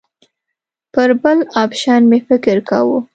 پر بل اپشن مې فکر کاوه.